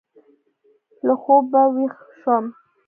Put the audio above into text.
له خوبه وېښ شوم.